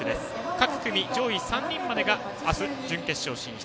各組の上位３人が明日、準決勝進出。